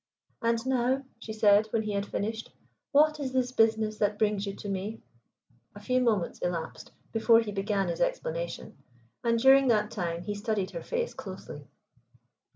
"And now," she said, when he had finished, "what is this business that brings you to me?" A few moments elapsed before he began his explanation, and during that time he studied her face closely.